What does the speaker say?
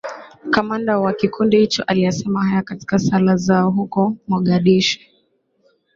kamanda wa kikundi hicho aliyasema haya katika sala zao huko mogadishu